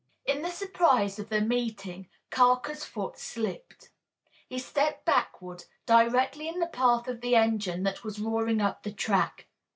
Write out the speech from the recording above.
In the surprise of the meeting, Carker's foot slipped he stepped backward, directly in the path of the engine that was roaring up the track.